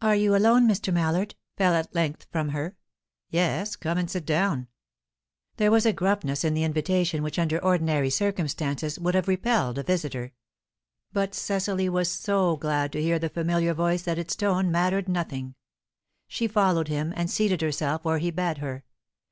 "Are you alone, Mr. Mallard?" fell at length from her. "Yes. Come and sit down." There was a gruffness in the invitation which under ordinary circumstances would have repelled a visitor. But Cecily was so glad to hear the familiar voice that its tone mattered nothing; she followed him, and seated herself where he bade her.